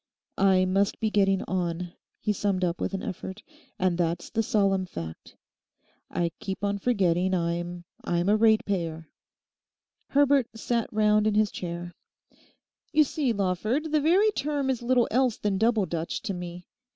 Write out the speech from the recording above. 'I must be getting on,' he summed up with an effort, 'and that's the solemn fact. I keep on forgetting I'm—I'm a ratepayer!' Herbert sat round in his chair. 'You see, Lawford, the very term is little else than Double Dutch to me.